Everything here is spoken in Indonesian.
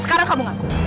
sekarang kamu ngaku